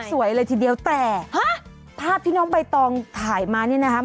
สวยเลยทีเดียวแต่ฮะภาพที่น้องใบตองถ่ายมานี่นะคะ